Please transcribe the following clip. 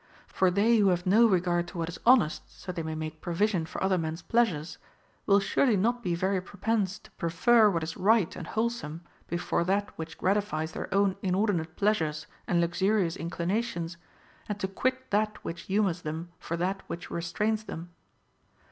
For they who have no regard to Avhat is honest, so they may make provision for other men's pleasures, will surely not be very prepense to prefer what is right and wholesome before that Avhich gratifies their own inordinate pleasures and luxurious inclinations, and to quit that which humors them for that which restrains them.